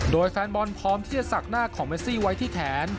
โดยแฟนบอลพร้อมที่จะศักดิ์หน้าของเมซี่ไว้ที่แขน